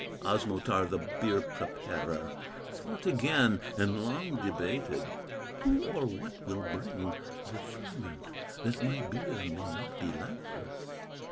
"Osmotar, the beer preparer, Thought again, and long debated: 'Who or what will bring the ferment, That my beer may not be lifeless?